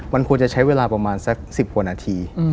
มันควรจะใช้เวลาประมาณสัก๑๐กว่านาที